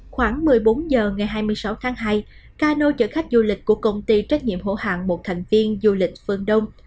khoảng một mươi bốn h ngày hai mươi sáu tháng hai cano chở khách du lịch của công ty trách nhiệm hữu hạng một thành viên du lịch phương đông